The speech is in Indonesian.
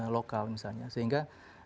lokal misalnya sehingga